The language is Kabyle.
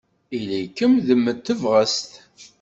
Ili-kem d mm tebɣest.